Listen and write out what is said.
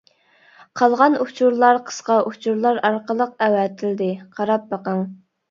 قالغان ئۇچۇرلار قىسقا ئۇچۇرلار ئارقىلىق ئەۋەتىلدى، قاراپ بېقىڭ!